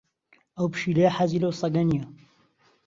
ئەو پشیلەیە حەزی لەو سەگە نییە.